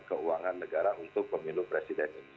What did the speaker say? keuangan negara untuk pemilu presiden ini